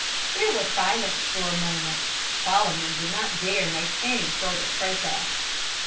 There was silence for a moment; Solomon did not dare make any further protest.